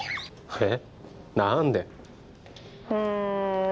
えっ？